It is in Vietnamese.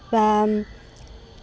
và trong khoảng thời gian